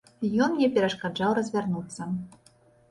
Ён мне перашкаджаў развярнуцца.